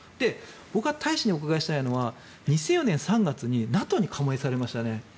僕が大使にお伺いしたいのは２００４年３月にＮＡＴＯに加盟されましたね。